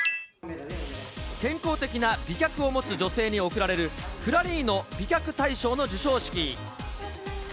健康的な美脚を持つ女性に贈られるクラリーノ美脚対象の授賞式。